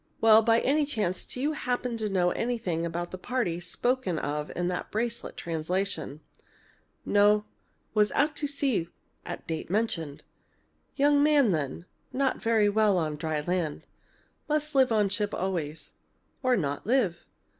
"Well, do you, by any chance, happen to know anything about the parties spoken of in that bracelet translation?" "No. Was at sea at date mentioned. Young man then not very well on dry land. Must live on ship always or not live.